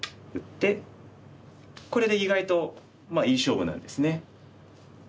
これで意外といい勝負なんですね。